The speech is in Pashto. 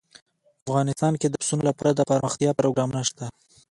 افغانستان کې د پسونو لپاره دپرمختیا پروګرامونه شته.